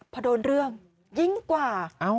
พอโดนเรื่องยิ่งกว่า